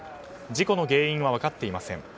事故の原因は分かっていません。